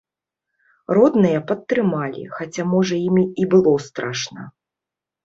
Родныя падтрымалі, хаця, можа, ім і было страшна.